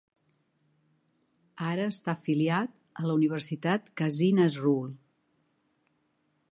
Ara està afiliat a la Universitat Kazi Nazrul.